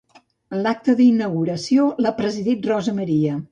L'acte d'inauguració l'ha presidit Rosa M.